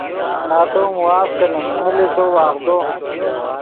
نتو معاف کینیم من لے تو وغدو